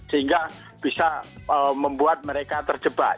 sehingga bisa membuat mereka terjebak